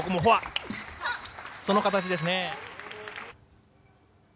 その形ですね。